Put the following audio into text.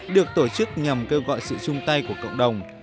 được tổ chức nhằm kêu gọi sự chung tay của cộng đồng